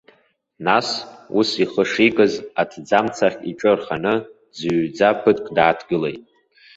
Нас, ус ихы шикыз, аҭӡамц ахь иҿы рханы, дӡыҩҩӡа ԥыҭк дааҭгылеит.